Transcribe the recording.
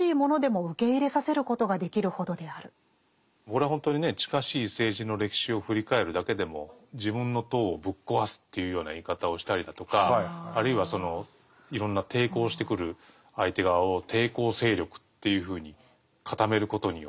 これはほんとにね近しい政治の歴史を振り返るだけでも「自分の党をぶっ壊す」というような言い方をしたりだとかあるいはそのいろんな抵抗をしてくる相手側を「抵抗勢力」っていうふうに固めることによって